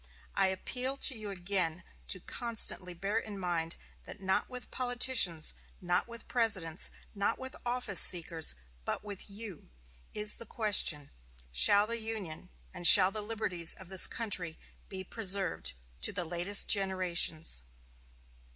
I appeal to you again to constantly bear in mind that not with politicians, not with Presidents, not with office seekers, but with you, is the question, Shall the Union and shall the liberties of this country be preserved to the latest generations?"